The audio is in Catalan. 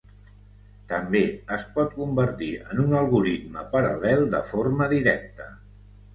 També es pot convertir en un algoritme paral·lel de forma directa.